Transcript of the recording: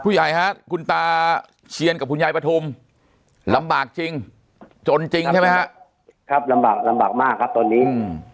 ฮะคุณตาเชียนกับคุณยายปฐุมลำบากจริงจนจริงใช่ไหมฮะครับลำบากลำบากมากครับตอนนี้